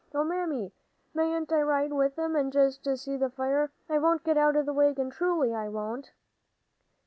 "Oh, Mammy, mayn't I ride with 'em and just see the fire? I won't get out of the wagon; truly, I won't."